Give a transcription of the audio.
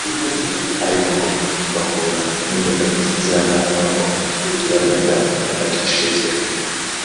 ariko ngo bahura n’imbogamizi z’abana b’abakobwa batwara inda bakicecekera